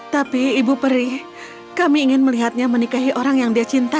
tapi ibu peri kami ingin melihatnya menikahi orang yang dia cintai